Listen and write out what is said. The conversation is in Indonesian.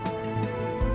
saya juga ingin mencoba